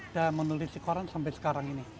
dan menulis si koran sampai sekarang ini